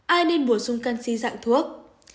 ai nên bổ sung canxi dạng thuốc